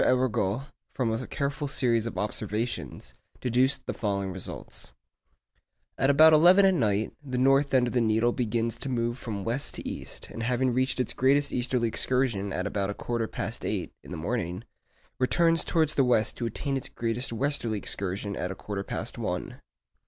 Arago, from a careful series of observations, deduced the following results:— At about eleven at night, the north end of the needle begins to move from west to east, and having reached its greatest easterly excursion at about a quarter past eight in the morning, returns towards the west to attain its greatest westerly excursion at a quarter past one.